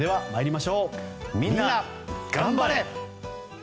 みんながん晴れ！